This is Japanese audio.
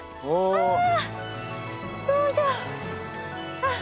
あ頂上！